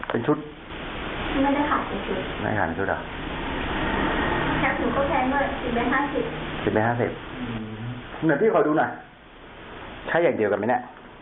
เป็นแบบนี้นะ